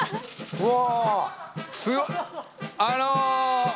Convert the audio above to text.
うわ！